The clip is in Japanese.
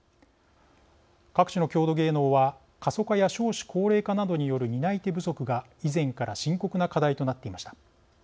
各地の郷土芸能は過疎化や少子高齢化などによる担い手不足が以前から深刻な課題となっていました。